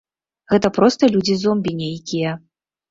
Гэта проста людзі-зомбі нейкія.